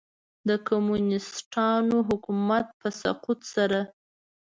د کمونیسټانو حکومت په سقوط سره.